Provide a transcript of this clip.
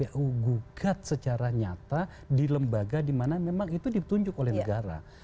ya kukat secara nyata di lembaga dimana memang itu ditunjuk oleh negara